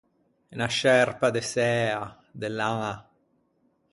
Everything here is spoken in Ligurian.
Unna scerpa de sæa, de laña.